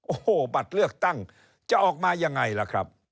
โอ้โหบัตรเลือกตั้งจะออกมายังไงล่ะครับ